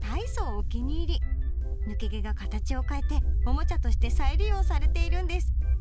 抜け毛が形を変えておもちゃとして再利用されているんです。